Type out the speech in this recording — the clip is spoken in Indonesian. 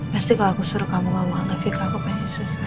pasti kalau aku suruh kamu ngomong revika aku pasti susah